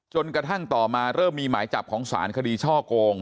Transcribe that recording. จนกระทั่งต่อมาเริ่มมีหมายจับของสารคดีช่อโกง